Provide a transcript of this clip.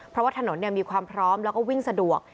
เพราะว่าถนนมีความพร้อมแล้วก็วิ่งสะดวก